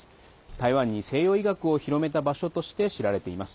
台湾に、西洋医学を広めた場所として知られています。